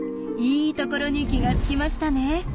いいところに気がつきましたね。